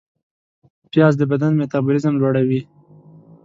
پیاز د بدن میتابولیزم لوړوي